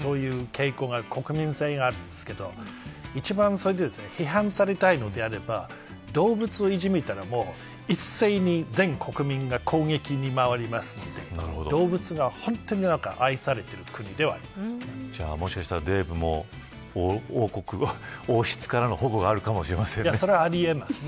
そういう傾向が国民性があるんですが一番批判されたいのであれば動物をいじめたら、一斉に全国民が攻撃に回りますので動物が本当に愛されているもしかしたらデーブも王室からの保護があるかもしれませんね。